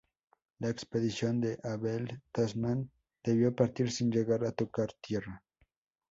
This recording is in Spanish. La expedición de Abel Tasman debió partir sin llegar a tocar tierra.